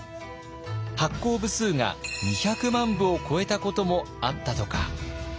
発行部数が２００万部を超えたこともあったとか。